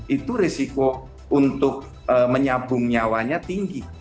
itu risiko untuk menyambung nyawanya tinggi